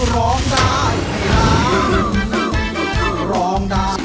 ร้องได้ร้องได้